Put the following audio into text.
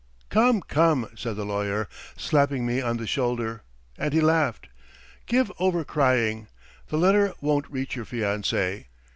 "'Come, come ...' said the lawyer, slapping me on the shoulder, and he laughed. 'Give over crying. The letter won't reach your fiancée.